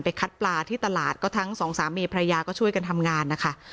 คัดปลาที่ตลาดก็ทั้งสองสามีภรรยาก็ช่วยกันทำงานนะคะ